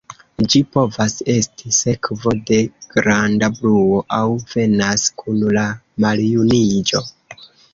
Ĝi povas esti sekvo de granda bruo, aŭ venas kun la maljuniĝo.